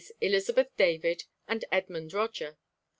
Elizabeth David, and Edmund Roger.